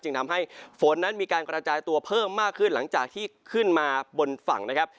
ทำให้ฝนนั้นมีการกระจายตัวเพิ่มมากขึ้นหลังจากที่ขึ้นมาบนฝั่งนะครับ